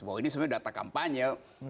bahwa ini sebenarnya data kampanye